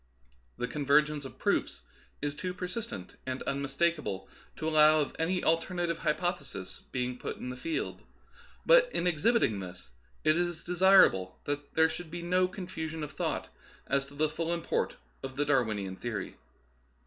The convergence of proofs is too per sistent and unmistakable to allow of any alter native hypothesis being put in the field. But, in exhibiting this, it is desirable that there should be no confusion of thought as to the full import of the Darwinian theory.